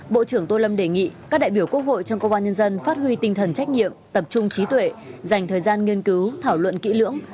bộ trưởng tô lâm đề nghị các đại biểu quốc hội trong công an nhân dân phát huy tinh thần trách nhiệm tập trung trí tuệ dành thời gian nghiên cứu thảo luận kỹ lưỡng